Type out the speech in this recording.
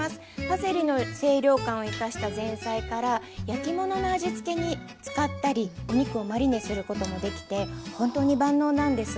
パセリの清涼感を生かした前菜から焼き物の味付けに使ったりお肉をマリネすることもできて本当に万能なんです。